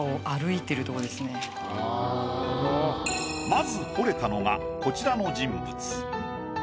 まず彫れたのがこちらの人物。